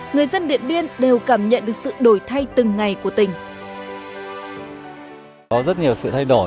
người dân điện biên đều cảm nhận được sự đổi thay từng ngày của tỉnh